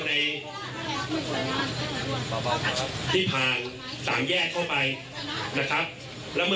สวัสดีครับ